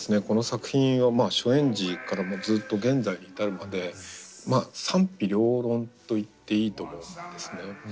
この作品は初演時からずっと現在に至るまでまあ賛否両論と言っていいと思うんですね。